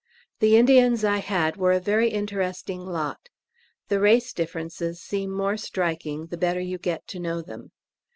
The Indians I had were a very interesting lot. The race differences seem more striking the better you get to know them.